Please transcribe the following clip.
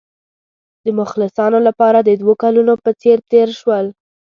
د مخلصانو لپاره د دوو کلونو په څېر تېر شول.